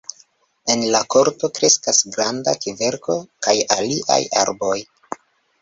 En la korto kreskas granda kverko kaj aliaj arboj.